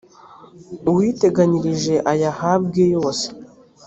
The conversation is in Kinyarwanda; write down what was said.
uwiteganyirije ayahabwe yose